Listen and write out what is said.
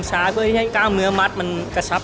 การแชร์ประสบการณ์